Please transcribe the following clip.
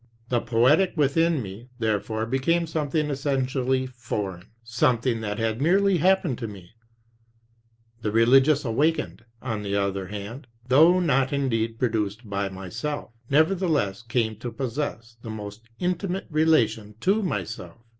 The poetic within me therefore became something essentially foreign, something that had merely happened to me; the religious awakening, on the other hand, though not indeed produced by myself, nevertheless came to possess the most intimate relation to myself.